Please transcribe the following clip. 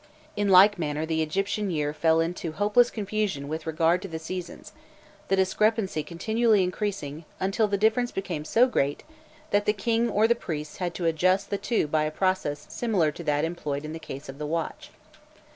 In like manner the Egyptian year fell into hopeless confusion with regard to the seasons, the discrepancy continually increasing, until the difference became so great, that the king or the priests had to adjust the two by a process similar to that employed in the case of the watch.